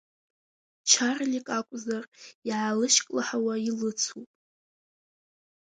Чарлик акәзар иаалышьклаҳауа илыцуп.